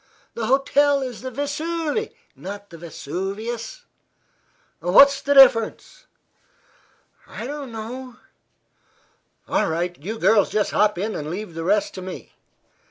The hotel is the Vesuve, not the Vesuvius." "What's the difference?" "I don't know." "All right; you girls just hop in, and leave the rest to me."